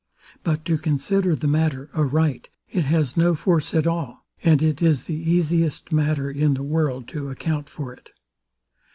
But to consider the matter a right, it has no force at all; and it is the easiest matter in the world to account for it.